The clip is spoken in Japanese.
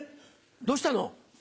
どうしたの？